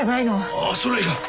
ああそりゃいかん。